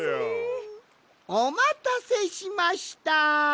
おまたせしました。